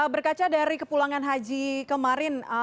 berkaca dari kepulangan haji kemarin